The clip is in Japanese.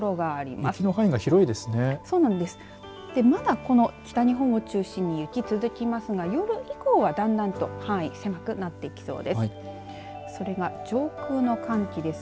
まだ北日本を中心に雪が続きますが、夜以降はだんだんと範囲狭くなってきそうです。